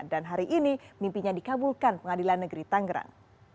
dan hari ini mimpinya dikabulkan pengadilan negeri tangerang